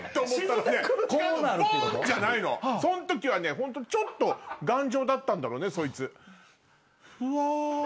ホントにちょっと頑丈だったんだろうねそいつ。